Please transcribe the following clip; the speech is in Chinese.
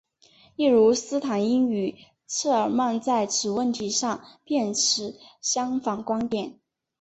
例如斯坦因与赫尔曼在此问题上便持相反观点。